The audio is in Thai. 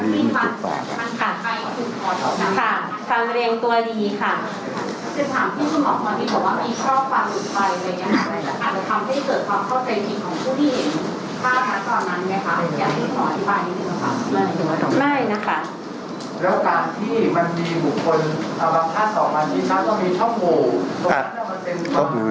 ตรงนี้มันมีบุคคลประวัติภาษาออกมาที่จะต้องมีช่องโหลด